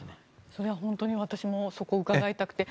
それは本当に私もそこを伺いたくて。